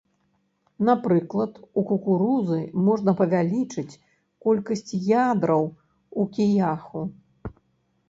Напрыклад, у кукурузы можна павялічыць колькасць ядраў у кіяху.